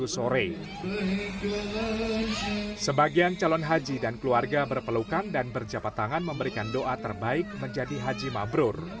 sebagian calon haji dan keluarga berpelukan dan berjabat tangan memberikan doa terbaik menjadi haji mabrur